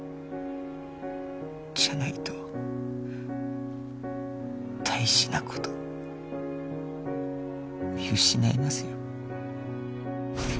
じゃないと大事な事見失いますよ。